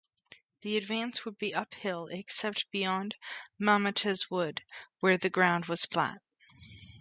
The advance would be uphill except beyond Mametz Wood, where the ground was flat.